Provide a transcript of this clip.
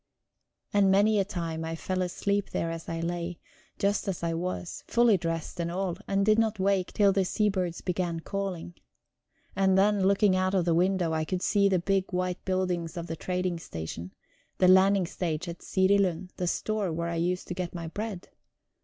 And many a time I fell asleep there as I lay, just as I was, fully dressed and all, and did not wake till the seabirds began calling. And then, looking out of the window, I could see the big white buildings of the trading station, the landing stage at Girilund, the store where I used to get my bread.